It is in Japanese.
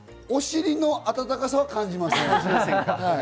お尻の温かさは感じません。